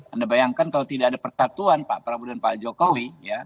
anda bayangkan kalau tidak ada persatuan pak prabowo dan pak jokowi